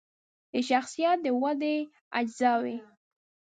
د شخصیت د ودې اجزاوې